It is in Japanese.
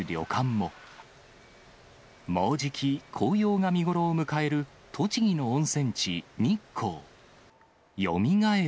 もうじき、紅葉が見頃を迎える栃木の温泉地、日光。